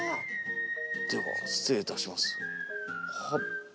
では失礼いたしますほっ。